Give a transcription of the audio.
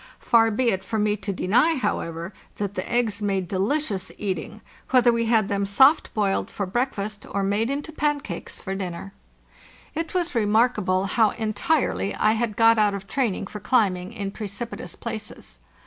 Far be it from me to deny, however, that the eggs made delicious eating, whether we had them soft boiled for breakfast or 506 FARTHEST NORTH made into pancakes for dinner. It was remarkable how entirely I had got out of training for climbing in precipi tous places.